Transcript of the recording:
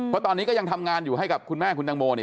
เพราะตอนนี้ก็ยังทำงานอยู่ให้กับคุณแม่คุณตังโมเนี่ย